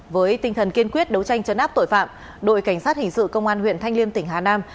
với tinh thần kiên quyết đấu tranh chấn áp tội phạm đội cảnh sát hình sự công an huyện thanh liêm tỉnh hà nam